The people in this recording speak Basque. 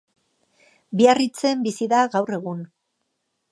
Biarritzen bizi da gaur egun.